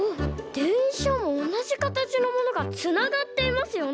でんしゃもおなじかたちのものがつながっていますよね。